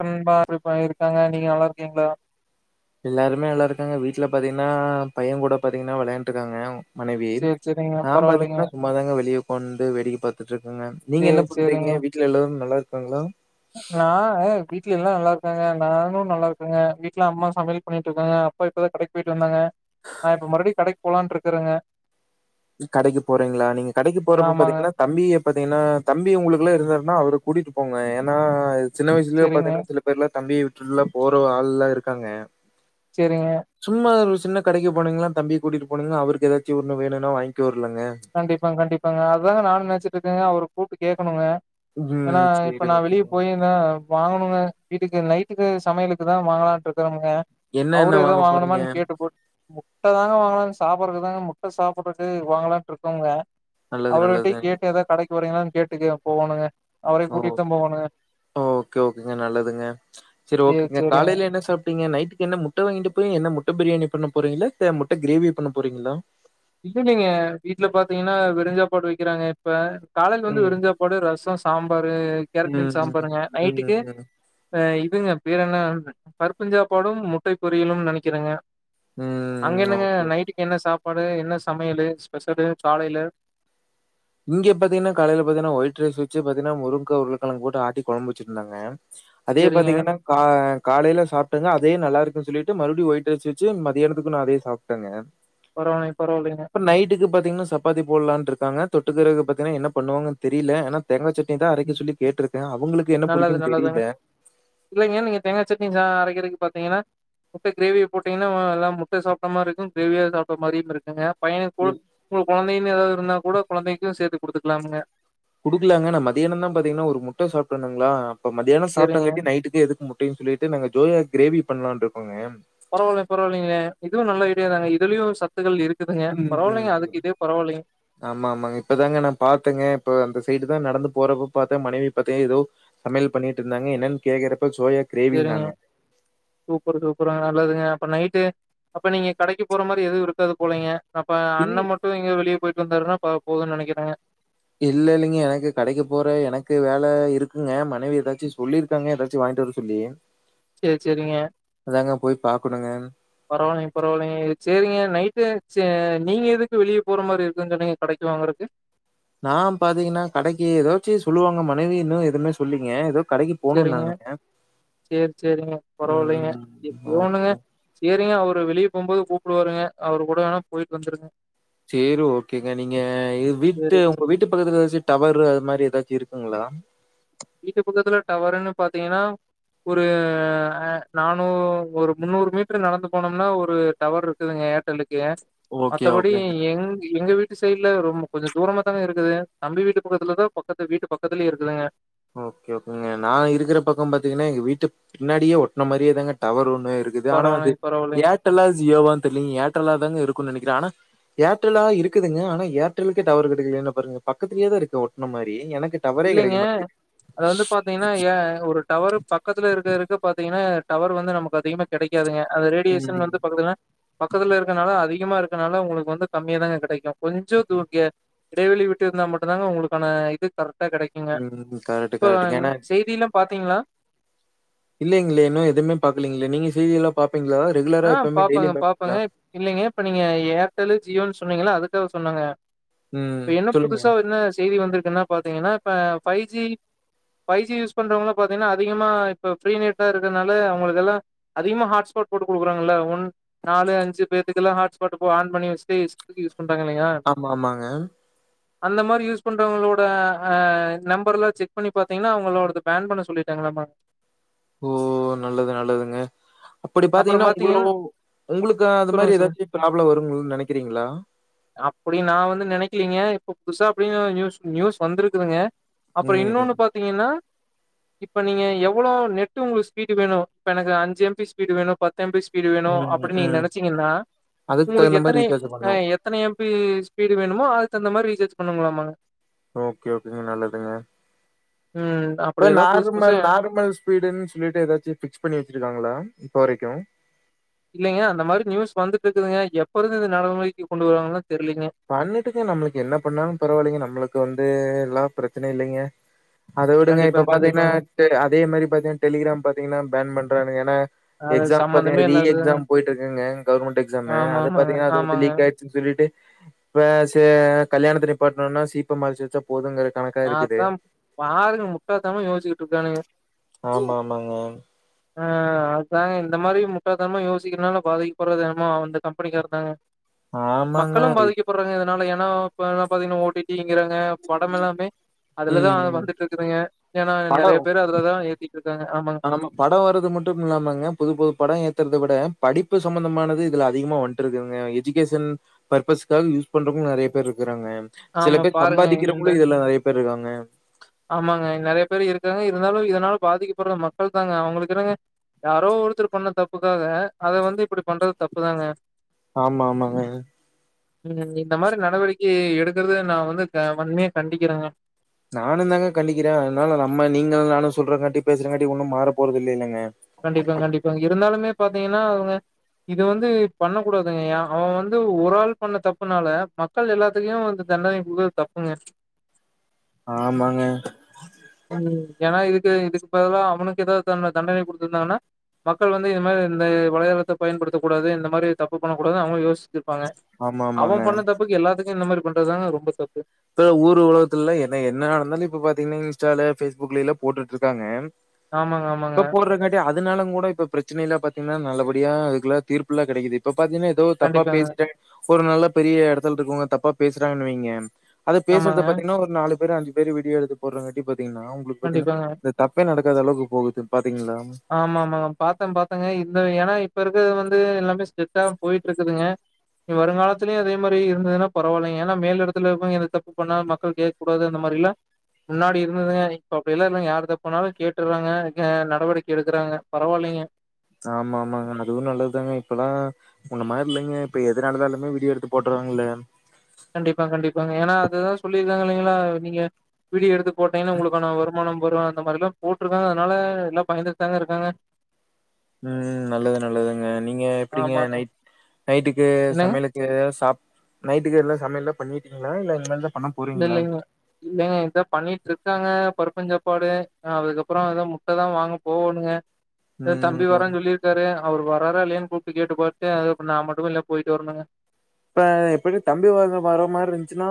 அப்பற நண்பா எப்டி இருக்காங்க நீங்க நல்லா இருக்கீங்களா எல்லாருமே நல்லா இருக்காங்க வீட்டுல பாத்தீங்கன்னா பையன் கூட பாத்தீங்கன்னா விளையாண்டு இருக்காங்க மனைவி சேரி சேரிங்க நா பரவாயில்லைங்க பாத்தீங்கன்னா சும்மாதாங்க வெளிய கொண்டு வேடிக்க பாத்துட்டு ருக்கங்க நீங்க சேரி என்ன சேரிங்க பண்றீங்க வீட்ல எல்லோரும் நல்லா க்காங்களா நா ஆ வீட்ல எல்லா நல்லா இருக்காங்க நானு நல்லா இருக்கேங்க வீட்ல அம்மா சமையல் பண்ணிட்டு இருக்காங்க அப்பா இப்பதா கடைக்கு போயிட்டு வந்தாங்க நா இப்ப மறுபடியு கடைக்கு போலான்ட்டு இருக்கறங்க கடைக்கு போறீங்களா நீங்க கடைக்கு போறப்ப ஆமாங்க பாத்தீங்கன்னா தம்பிய பாத்தீங்கன்னா தம்பி உங்களுக்குல்ல இருந்தார்ன்னா அவரு கூட்டிட்டு போங்க ஏன்னா சின்ன வயசுலே சேரிங்க பாத்திங்னா சில பேர்லா தம்பிய விட் சுற்றுலா போறவ் ஆள்லா இருக்காங்க சேரிங்க சும்மா ஒரு விஷ் தின்ன கடைக்கு போனிங்ளா தம்பிய கூட்டிட்டு போனிங்னா அவர்க்கு எதாச்சு ஒன்னு வேணுனா வாங் இங்யோரு கண்டிப்பாங் கண்டிப்பாங்க அதாங்க நானு நெனச்சிட்ருக்கேங்க அவரு கூப்ட்டு கேக்கணுங்க ஏனா ம். இப்ப சரி, நா வெளிய ஓகேங்க. போயிருந்தா வாங்கணுங்க வீட்டுக்கு நைட்டுக்கு சமையலுக்கு எதா வாங்கலான்ட்ருக்கறங்க அ என்ன என்ன அவரு எது வாங்க போறீங்க? வாங்கணுமான் கேட்டுபுட் முட்டதாங்க வாங்கனுன் சாப் ப்றதுக்குதா முட்ட சாப்புட்னுட்டு வாங்கலான் இருக் கோங்க நல்லது, அவருட்டையு நல்லது. கேட்டு எதா கடைக் போறிங்களான் கேட்டுக்க போகனுங்க ஓ ஓ ஓகே ஓகேங்க நல்லதுங்க செரி சேரி ஓகேங்க சேரிங்க காலைல என்ன சாப்ட் டிங்க நைட்டுக்கு என்ன முட்ட வாங்கிட்டு போய் என்ன முட்ட பிரியாணி பண்ண போறீங்களா த முட்ட கிரேவி பண்ண போறீங்களா இல்ல நீங்க வீட்ல பாத்தீங்கனா வெருஞ்சாப்பாடு வெக்கிறாங்க இப்ப காலைல வந்து ம். வெருஞ்சாப்பாடு ரச சாம்பாரு கேரட் பீன் ம். ம். சாம்பாருங்க ம். நைட்டுக்கு ம். அ இதுங்க பேரென்ன பருப்புஞ்சாப்பாடும் முட்டை பொரியலும் நெனைக்கிறேங்க அங்க ம். என்னங்க ஓகே. நைட்டுக்கு என்ன சாப் ங்க என்ன சமையலு ஸ்பெஷலு காலைல இங்கெ பாத்தீங்கனா கலைல பாத்தீங்கனா ஒயிட் ரைஸ் வெச்சு பாத்தீங்னா முருங்க்கா உருளக்கெழங்கு போட்டு ஆட்டி கொழம்பு வச்சிருந்தாங்க அதே சரிங்க பாத்தீங்கனா கா காலைல சாப்ட்டது அதே நல்லா இருக் கு சொல்லிட்டு மறுப்டியு ஒயிட்டு ரைஸ் வெச்சு மதியானத்துக்கு நா அதே சாப்டங்க பரவாயில்லைங்க பரவாயில்லைங்க இப்ப நைட்டுக்கு பாத்தீங்னா சப் பாதி போட்லான்ருக்காங்க தொட்டுக்கிறதுக்கு பாத்தீங்னா என்ன பண்ணுவாங்கன் தெரியில ஏனா தேங்கா சட் ம் நல்லது புடிக்கும்னு தெரியல. நல்லதுங்க இல்லைங்க நீங்க தேங்கா சட்னி ஜா அரைக்கிறக்கு பாத்தீங்கனா முட்ட கிரேவிய போட்டீங்னா வா எல்லாம் முட்ட சாப்ட்ட மார்ருக்கு கிரேவியா சாப்ட்ட மாரியும் இருக்குங்க இ பையனுக்குள் ஸ்கூல் கொழந்தைனு எதாவது இருந்தா கூட கொழந்தைக்கு சேத்து குடுத்துக்லாமுங்க குடுக்லாங்க நா மதியானந்தா பாத்தீங்னா ஒரு முட்ட சாப்டணுங்ளா இப்ப மதியான சேரிங்க சாப்ட்டங்காட்டி நைட்டுக்கு எதுக்கு முட்டைன் சொல்லிட்டு நாங்க ஜோயா கிரேவி பண்லான்ட்ருக்கோங்க பரவால்லை பரவால்லைங்ளே இதுவு நல்ல ஐடியா தாங்க இதுலயு சத்துக்கள் இருக் ம் ம் ம் ஆமா ஆமாங்க இப்பதாங்க நான் பாத்தேங்க இப்ப அந்த சைடு ப்தான் நடந்து போறப்ப பாத்த மனைவி பத்தே ஏதோ சமையல் பண்ணிட்டு இருந்தாங்க என்னனு கேக்கிற செரிங்க சூப்பரு சூப்பருங்க நல்லதுங்க அப்ப நைட்டு அப்ப நீங்க கடைக்கு போற மாரி எதுவும் இருக்காது போலைங்க அப்ப இல் அண்ண மட்டு எங்கயோ வெளியே போய்ட்டு வந்தாருன்னா ப போதுன் நெனக்கிறங்க இல்ல இல்லீங்க எனக்கு கடைக்கு போற எனக்கு வேல இருக்குங்க மனைவி ஏதாச்சு சொல்லிருக்காங்க ஏதாச்சு வாய்ன்டு வர சொல்லி சேரி சேரிங்க அதாங்க போய் பார்க்கணுங்க. பரவால்லைங்க பரவால்லைங்க சேரிங்க நைட்டு ச்அ நீங்க எதுக்கு வெளியே போற மாரி இருக்குனு சொன்னீங்க கடைக்கு வாங்கறக்கு நான் பாத்தீங்கன்னா கடைக்கி ஏதாச்சு சொல்லுவாங்க மனைவி இன்னு எதுவுமே சொல்லீங்க ஏதோ கடைக்கு செரிங்க போணும்னாங்க. செரி செரிங்க ம். பரவால்லைங்க எப்டியோ ஒண்ணுங்க ஓகே. செரிங்க அவரு வெளியே போம்போது கூப்டுவாருங்க அவரு கூட வேணா போய்ட்டு வந்துருங்க சேரி ஓகேங்க நீங்க வ் சேரி வீட்டு ஓங்க சேரி வீட்டு பக்கத்துல ஏதாச்சு டவரு அது மாரி ஏதாச்சும் இருக் குங்ளா வீட்டு பக்கத்துல டவருன்னு பாத்தீங்கன்னா ஒரு நானூ ஒரு முன்னூறு மீட்டர் நடந்து போனோம்னா ஒரு டவர் இருக்குதுங்க ஏர்டெல்லுக்கு குங்க ஓகே, மத்தபடி ஓகேங்க. எங் எங்க வீட்டு ந்த சைடுல ரொம்ப கொஞ்ச தூரமா தாங்க இருக்குது தம்பி வீட்டு பக்கத்துல தான் பக்கத்து வீட்டு பக்கத்துலயே இருக்குதுங்க ஓகே ஓகேங்க நான் இருக்குற பக்கம் பாத்தீங்கன்னா எங்க வீட்டு பின்னாடியே ஒட்ன மாரியே தாங்க டவர் ஒன் னு இருக்குது ஆனா அது பரவாயில்லைங்க பரவாயில்லைங்க ஏர்டெல்லா ஜியோவான் தெரிலங்க ஏர்டெல்லா தாங்க இருக் க்கு நெனக்கிற ஆனா ஏர்டெல்லா இருக்குதுங்க ஆனா ஏர்டெல்லுக்கே டவரு கெடைக்கலனா பாருங்க பக்கத்திலயே தான் இருக்கு ஒட்ன மாரி எனக்கு டவரே கெடக்கமாட்டு அ அது வந்து பாத்தீங்கன்னா ஏன் ஒரு டவர் பக்கத்துல இருக்க இருக்கு இப்ப பாத்தீங்கன்னா டவர் வந்து நமக்கு அதிகமா கெடைக்காதுங்க அது ரேடியேஷன் ம். வந்து பக்கத்துல பக்கத்துல இருக்கனால அதிக அதிகமா இருக்கனால உங்களுக்கு வந்து கம்மியா தாங்க கெடைக்கூ கொஞ்சோ தூக்ய இடைவெளி விட்டு இருந்தா மட்டுதாங்க உங்களுக்கான இது கரெக்ட் டா கெடைக்குங்க ம். கரெக்ட், இப்ப கரெக்ட்டுங்க. ஏன்னா செய்தியிலாம் பாத் த்தீங்ளா இல்லேங்ளே இன்னு எதுமே பாக்கலீங்ளே நீ செய்தியல்லாம் பாப் ஆ பாப்பங்க பாப்பங்க இல்லங்க இப்ப நீங்க ஏர்டெல்லு ஜியோனு சொ சொன்னீங்கள அதுக்காக சொன்னங்க ம். இப்ப என்ன சொல்லுங்க. புதுசா என்ன செய்தி வந்து ப்ப என்னா பாத்தீங்கன்னா ப five G five G use பண்றவுங்க பாத்திங்னா அதிகமா இப்ப ஃப்ரீ நெட்டா இருக்கனால அவுங்களுக்கெல்லா அதிகமா ஹாட்ஸ்பாட் போட்டு குடுக்குறாங்கல்ல ஒன் நாலு அஞ்சு பேத்துகல்லா ஹாட்ஸ்பாடு போ ஆன் பண்ணி வச்டு இஸ்டதுகு யூஸ் பண்றாங்க இல்லையா ஆமா ஆமாங்க அந்த மாரி யூஸ் பண்றவங்களோட அ நம்பர்லா செக் பண்ணி பாத்தீங்கன்னா அவங்களோடது பேன் பண்ண சொல்லிட்டாங்களாமா ஓ நல்லது நல்லதுங்க அப்படி அப்புறோ பாத்தீங்கன்னா பாத்தீங்கன் ஒங்களவோ ஒங்களுக்கு அது சொல்லுங்க மாரி சொல்லுங்க எதாச்சு ப்ராப்ளம் வருங்கனு நெனைக்கிறீங்களா அப்படி நா வந்து நெனைக்கலீங்க இப்ப புதுசா அப்டின்னு நியூஸ் நியூஸ் வந்துருக்குதுங்க அப்பற ம், இன்னொன்னு ம். பாத்தீங்கன்னா இப்ப நீங்க எவளோ நெட்டு ஒங்களுக்கு ஸ்பீடு வேணு இப்ப எனக்கு அஞ்சு எம் பி பீடு வேணு பத் து எம் பி ஸ்பீடு வேணு ம், அப்படி நீங்க ம். நெனைச்சீங்கன்னா அதுக்கு ஒங்களுக்கு தகுந்த மாரி எத்தனை ரீசார்ஜ் ஆ பண்ணணும். எத்தன எம் பி பீடு வேணமோ அதுக் தகுந்த ரீசார்ஜ் பண்ணுங்கலாமா ஓகே ஓகேங் ம் நல்லதுங்க ம் இப்ப அப்படியெல்லாம் புதுசு புதுசா நார்மல் நார்மல் ஸ்பீடுன் சொல்லிட்டு எதாச்சு ஃபிக்ஸ் பண்ணி வச்சிருக்காங்களா இப்ப வரைக்கு இல்லைங்க அந்த மாரி நியூஸ் வந்துட்டுருக்குதுங்க எப்பருந்து இது நடமுறைக்கு கொண்டு வருவாங்களோ பண்ணிட்டுங்க நம்மளுக்கு என்ன பண்ணாலு பரவாயில்லைங்க நம்மளுக்கு வந் து எல்லா பிரச்சனயில்லீங்க அத வுடுங்க இப்ப கண்டிப்பாங்க, பாத்தீங்கன்னா கண்டிப்பாங்க. டே அதே மாரி பாத்தீங்கன்னா டெலிகிராம் பாத்தீங்கன்னா பேன் பண்றான்னுங்க ஏன்னா அது எக்ஸாம் சம்மந்தமே பாத்தீங்கன்னா ரீ இல்லாததுதாங்க. எக்ஸாம் போயிட்டு இருக்குங்க கவர்மெண்ட் எக்ஸாமு ஆமா, அது ப ஆமாங்க, பாத்தீங்கன்னா அது வந்து ஆமாங்க. லீக் ஆயிடுச்சுன்னு சொல்லிட்டு இப்ப ச கல்யாணத்த நிப்பாட்டணுன்னா சீப்ப மாறிச்சு வச்சா போதுங்கற அத் தா பாருங்க முட்டாதனமா யோசி க்கிறானுங்க ஆமா ஆமாங்க ஆ அதுதாங்க இந்த மாரி முட்டாள்தனமா யோசிக்கிறனால பாதிக்கப்படுறது என்னமோ அந்த கம்பெனிக்காரதாங்க ஆமாங்க மக்களு இ- பாதிக்கப்பட்றாங்க னால ஏன்னா பா பாத்தீங்கன்னா ஓ டி டி ங்கிறாங்க படமெல்லாமே அதுலதா ம் வந்துட்டுருக்குதுங் க ஏன்னா அது நெறைய படம் பேரு அதுலதா ஏதி ஆமா பட வரது மட்டுமில்லாமாங்க புது புது பட ஏத்துறத விட படிப்பு சம்பந்தமானது இதுல அதிகமாக வன்ட்டுருக்குதுங்க எஜிகேஷன் பர்பஸ்க்காக யூஸ் பண்றவங்களு நெறைய பேர் இருக்குறாங்க சில ஆமா பேர் பாருங்க இந்த சம்பாதிக்கிறவங்களு இதுல நெறைய பேர் இருக்காங்க காங்க இருந்தாலு இதனால் பாதிக்கப்படுற மக்கள் தாங்க அவங்களுக்கென்னங்க யாரோ ஒருத்தர் பண்ண தப்புக்காக அத வந்து இப்படி பண்றது தப்புதாங்க ஆமா ஆமாங்க இவுங்க இந் இந்த மாரி நடவடிக்கையே எடுத் கிறது நா வந்து வ வன்மையா கண்டிக்கிறங்க நானு தாங்க கண்டிக்கிற அதனால நம்ம நீங்களு நானு சொல்றங்காட்டி பேசுறங்காட்டி ஒன்னு மாற போறது இல்ல இல்லைங்க கண்டிப்பாங்க கண்டிப்பாங்க இருந்தாலுமே பாத் பாத்தீங்கன்னா அவுங்க இது வந்து பண்ண கூடாதுங்க அவன் வந்து ஒரு ஆள் பண்ண தப்புனால மக்கள் எல்லாத்தையு வந்து தண்டனை கொடுகுறது தப்புங்க ஆமாங்க ம் ஏன்னா இதுக்கு இதுக்கு பதிலா அவனுக்கு ஏதாவது தண்டனை கொடுத்துருந்தாங்கன்னா மக்கள் வந்து இந்த மாரி இந்த வளையாதளத்த பயன்டு படுத்தக் கூடாது இந்த மாதிரி தப்பு பண்ணக்க கூடாது அவுங்களு யோசி இருப்பாங்க ஆமா ஆமாங்க அவன் பண்ண தப்புக்கு எல்லாத்துக்கு இந்த மாரி பண்றதுாங்க ரொம்ப தப்பு இப்ப ஊர் உலகத்துல என்ன என்ன நடந்தாலு இப்ப பாத்தீங்கன்னா இன்ஸ்டால பேஸ்புக்லேல போட்டுட்டு இருக்காங்க ஆமாங்க ஆமாங்க அதுனால கூட இப்ப பிரச்சனைல்ல பாத்தீங்கன்னா நல்லபடியா அதுக்குல தீர்ப்புல்லா கெடைக்குது இப்போ பாத்தீன்னா ஏதோ தப்பா கண்டிப்பாங்க. பேசிட்டே ஒரு நல்ல பெரிய இடத்துல இருக்கவுங்க தப்பா பேசுறாங்கன்னுவைங்க அது பேசுறது ஆமாங்க. பாத்தீங்கன்னா ஒரு நாலு பேர் அஞ்சு பேர் விடியோ எடுத்து போடுறங்க பத் பத்தீங்கன்னா உங்களுக்கு பத்தீங்கன்னா கண்டிப்பாங்க. இந்த தப்பே நடக் காத அளவுக்கு போகுது பாத் ஆமா ஆமாங் பாத்தே பாத்தேங்க இந்த ஏன்னா இப்ப இருக்கது வந்து எல்லாமே செட்டா போயிட்டு இருக்குதுங்க வருங்காலத்திலயு அதே மாரி இருந்துன்னா பரவால்லைங்க ஏன்னா மேல இடத்துல இருப்பாங்க எத தப்பு பண்ண மக்கள் கேட்க கூடாது அந்த மாரி இல்லா முன்னாடி இருந்துங்க இப்ப அப்டில இல்லங்க யார் தப்புனாலு கேட்டுறாங்க நடவடிக் எடுக்குறாங்க பரவாயில்லங்க ஆமா ஆமாங்க அதுவு நல்லதுதாங்க இப்பல்லா முன்ன மாரி இல்லைங்க இப்ப எது நடந்தாலுமே வீடியோ எடுத்து போட்டுறாங்கல்லே கண்டிப்பா கண்டிப்பாங்க ஏன்னா அததுதான் சொல்லியிருக்காங்க இல்லங்களா நீங்க வீடியோ எடுத்து போட்டேனா உங்களுக்கான வருமானம் [unintelligible] அந்த மாரிலா போடுருக்கே அத்னால எல்லா பயன்த்ட்தாங்க இருக்கே ம் நல்லது நல்லதுங்க நீங்க எப்டிங்க ஆமாங்க. நைட் நைட்டுக்கு என்னங்க? சமையலுக்கு சாப் நைட்டுக்கு என்ன சமையலு பண்ணிட்டீங்ளா இல்ல இனிமேல் தா இல்ல இல்லங்க இல்லங்க இப்பத பண்ணிட்டு இருக்கேங்க பருப்பஞ்சா சாப்பாடு அதுக்கப்பறோ ஏதோ முட்ட தா வாங்க போகணுங்க தம்பி ம். வர்ரன்னு சொல்லிருக்காரு அவரு வர்ராறா இல்லையான்னு கூப்ட்டு கேட்டு பாத்து அ நா மட்டு இல்ல போயிட்டு வரணுங்க இப்ப எப்டி தம்பி வர வர்ர மாதிரி இருந்துச்சுன்னா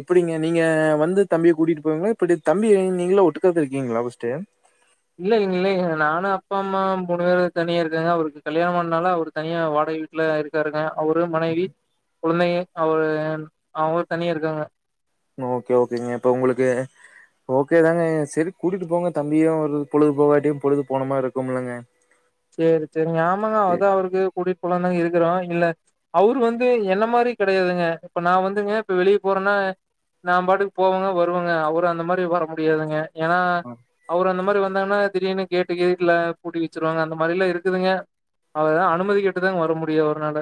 எப்டிங்க நீங்க வந்து தம்பிய கூட்டிட்டு போவீங்களா இப்டி தம்பி நீங்களும் ஒட்டுக்காத்தா இருக்கீங்களா ஃபஸ்ட்டு இல்லைங்க இல்லைங்க நானு அப்பா அம்மா மூணு பேரு தனியா இருக்கங்க அவருக்கு கல்யாணம் பண்ணனால அவரு தனியா வாடகை வீட்டுல இருக்காருங்க அவுரு மனைவி கொழந்தைங்க அவர் அவுங்கலா தனியா இருக்காங்க ஓகே ஓகேங்க இப்ப உங்களுக்கு ஓகே தாங்க செரி கூட்டிட்டு போங்க தம்பியும் ஒரு பொழுது போகாட்டியு பொழுது போன மாரி இருக்கும்லங்க செரி செரிங்க ஆமாங்க சரி. அது அவருக்கு கூடிட்டு போலாந்தாங்க இருக்குறோ இல்லை அவர் வந்து என்ன மாதிரி கிடையாதுங்க இப்ப நான் வந்துங்க இப்போ வெளியே போறேன்னா நான் பாட்டுக்கு போவங்க வருவங்க அவரு அந்த மாரி வர முடியாதுங்க ஏன்னா ஆ. அவரு அந்த மாதிரி வந்தாங்கன்னா திடீனு கேட்டு கேட்ல புட்டி வச்சிருருவங்க அந்த மாதிரிலாம் இருக்குதுங்க அவர்தான் அனுமதி கேட்டுதாங்க வர முடியாது அவுருனால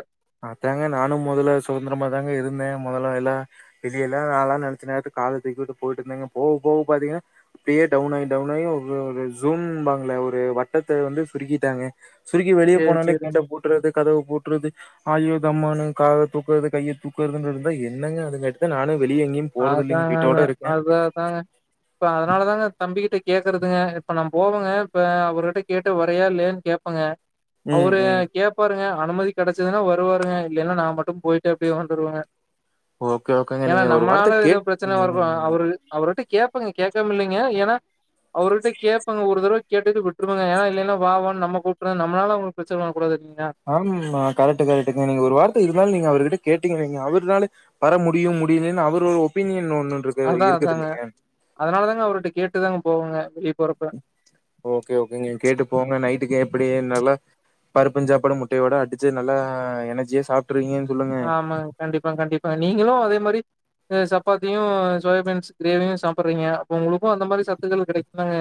அதாங்க நானும் முதல்ல சுதந்திரமா தாங்க இருந்தேன் முதல்ல எல்லாம் வெளிய எல்லாம் நான்லாம் நினச்ச நேரத்து காலர தூக்குட்டு போயிட்டு இருந்தேங்க போக போக பாத்தீங்கன்னா அப்டியே டவுன் ஆகி டவுன் ஆகி ஒரு ஒரு ஜூன்பாங்களே ஒரு வட்டத்தை வந்து சுருக்கிட்டாங்க சுருக்கி வெளியே சேரி போனாலே கேட்டை சேரிங்க பூட்டுறது கதவு பூட்டுறது அயோ தம்மு கால தூக்கறது கையை தூக்குறது என்னங்க அது காட்டி நானும் வெளிய எங்கேயும் போறதில்லைங்க. அதாங்க வீட்டோட அதான் இருக்கேன். அதான் அதாங்க இப்ப அதனாலதாங்க தம்பிக்கிட்ட கேக்குறதுங்க இப்ப நம் போவங்க இப்ப அவர்கிட்ட கேட்டு வரையா இல்லலைன்னு கேப்பங்க ம், அவரு ம். கேப்பாருங்க அனுமதி கிடைச்சதுன்னா வருவாருங்க இல்லலைன்னா நான் மட்டும் போயிட்டு அப்டியே வந்துருவங்க ஓகே ஓகேங்க ஏன்னா நீங்க ஒரு நம்மளால வார்த்த கேட் எதும் பிரச்சனை வரக்கூடாது ம். அவரு அவருட்ட கேப்பங்க கேட்காம இல்லைங்க ஏன்னா அவர்கிட்ட கேப்பங்க ஒரு தடவை கேட்டுட்டு விட்டுருவங்க இல்லனா வா வா னு நம் கூப்டு நம்மளால பிர ஆமா கரெக்ட் கரெக்ட்ங்க நீங்க ஒரு வார்த்தை இருந்தாலும் நீங்க அவர்கிட்ட கேட்டங்கிறீங்க அவர்னால வர முடியும் முடியல அவர் ஒரு ஒபீனியன் ஒன் அதான் அதாங்க அதனால தாங்க அவர்கிட்ட கேட்டுதாங்க போவங்க போறப்ப ஓகே ஓகேங்க கேட்டு போங்க நைட்டுக்கு அப்படி நல்லா பருப்புஞ்சாப்படு முட்டையோட அடிச்சு நல்லா எனர்ஜிய சாப்பி ஆமாங்க கண்டிப்பா கண்டிப்பா நீங்களும் அதே மாரி சப்பாத்தியும் சோயாபீன்ஸ் கிரேவியும் சாப்புடுறீங்க அப்ப உங்களுக்கும் அந்த மாதிரி சத்துகள் கிடைக்குதாங்க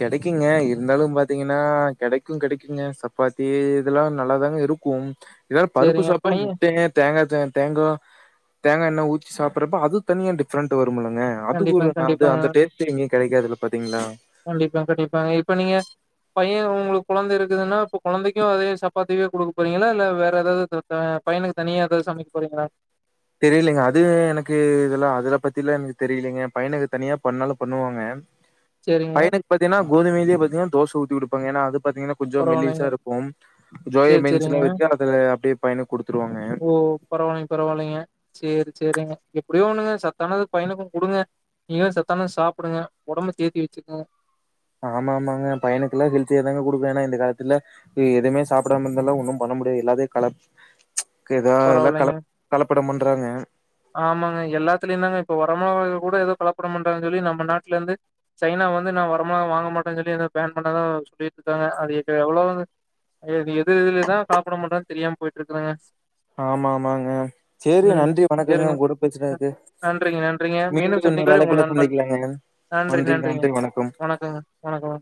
கிடைக்குங்க இருந்தாலும் பாத்தீங்கன்னா கிடைக்கும் கிடைக்குங்க சப்பாத்தி இதெல்லாம் நல்லாதாங்க இருக்கும் இதால பருப்பு சரிங்க சாப்பிட்டு பைய முட்டை தேங்காய் தே தேங்காய் தேங்காய் ஊத்தி சாப்பிடறப்ப அது தனியா டிப்ரன்ட் வரும் லங்க அது ஒரு கண்டிப்பாங்க கண்டிப்பாங்க அந்த டேஸ்ட் எங்கயும் கிடைக்காதுல பாத்தீங்களா ப்ப கண்டிப்பாங்க இப்ப நீங்க பைய உங்களுக் குழந்த இருக்குதுன்னா இப்ப குழந்தேக்கு அதே சப்பாத்திவே குடுக்க போறீங்களா இல்ல வேற எதாது அ பையனுக்கு தனியா எதாது சமைக்க போறீங்களா? தெரியலேங்க. அது எனக்கு இதெல்லா அதெல்லா பத்திலா எனக்கு தெரீலேங்க. பையனுக்கு தனியா பண்ணாலு பண்ணுவாங்க. சேரிங்க பைய்னுக்கு பாத்தீனா கோதுமேலியே பாத்தீனா தோச ஊத்தி குடுப் பாங்க ஏனா அது பாத்தீங்ன்னா கொஞ்சோ மெல்லீசா பரவாயில்லைங்க இருக்கும். சேரி ஜோயாபீன்ஸுல சேரிங்க வெக்க அதுல அப்டீ பயனுக் குடுத்துருவாங். ஓ பரவாயில்லைங் பரவாயில்லைங்க. சேரி சேரிங்க எப்டியோ ஒண்ணுங்க சத்தானது பையனுக்கூ குடுங்க. நீங்கள சத்தானது சாப்புடுங்க. ஒடம்ப தேத்தி வச்சுக்குங்க ஆமா ஆமாங்க. பயனுக்கெல்லா ஹெல்த்தியா தாங்க குடுக்க. ஏன்னா இந்த காலத்துல இப்ப எதுமே சாப்டாம இருந்தாலு ஒன்னு பண்ண முடியாது. எல்லாதே கல பரவால்லேங்க. கலப்படம் பண்றாங்க ஆமாங்க எல்லாத்துலயுதாங்க இப்ப வரமாவு கூட ஏதோ கலப்படொ பன்றாங்கனீ சொல்லி நம்ம நாட்லேந்து சைனா வந்து நா வரமாவ் வாங்க மாட்டன்னு சொல்லி எதோ பேன் பண்ணதா சொல்லீட் இருக்காங்க. அது இது எவ்வளவு வ எது இதுலதா கலப்படபண்றாங்கன்னு தெரியாம போய்ட்டிருக்குதுங்க ஆமா ஆமாங்க. சேரி நன்றி சேரிங்க வணக்கங்க. உங்களுட பேசுனதுக்கு. நன்றிங்க நன்றிங்க மீண்டும் சந்திக்கும் இன்னொரு வரை உங்கள் அழைப்புள நண்பன் சந்திக்கலாங்க. நன்றி நன்றி வணக்கம். வணக்கங்க வணக்கம்